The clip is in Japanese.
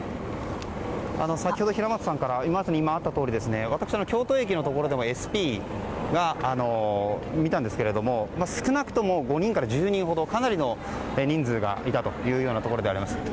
先ほど、平松さんからもあったとおり私も京都駅のところでもＳＰを見たんですけど少なくとも５人から１０人ほどかなりの人数がいたというところです。